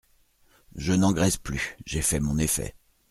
Je n’engraisse plus… j’ai fait mon effet.